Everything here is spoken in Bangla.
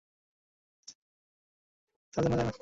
তিনি রেনল্ডস নামের কাকে বা কাদের ডাকছিলেন তা জানা যায়না।